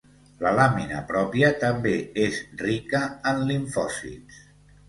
La làmina pròpia també és rica en limfòcits.